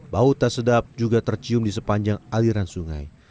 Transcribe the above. bau tak sedap juga tercium di sepanjang aliran sungai